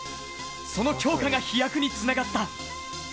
その強化が飛躍につながった。